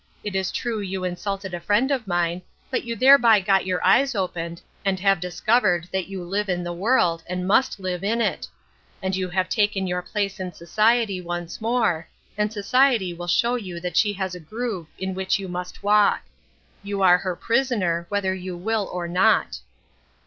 It is true you insulted a friend of mine, but you thereby got your eyes opened, and have discovered that you live in the world and must live in it ; and you have taken your place in society once more, and society will show you that she has a groove in which you must walk. You are her prisoner, whether you will or not."